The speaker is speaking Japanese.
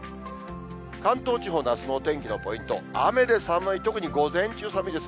関東地方のあすのお天気のポイント、雨で寒い、特に午前中、寒いです。